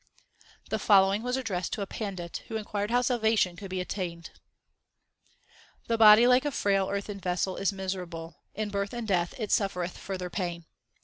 The following was addressed to a pandit who inquired how salvation could be obtained : The body like a frail earthen vessel is miserable ; in birth and death it suffer eth further pain.